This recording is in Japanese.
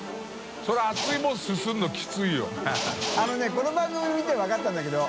この番組見て分かったんだけど。